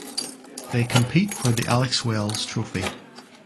They compete for the Alex Wells trophy.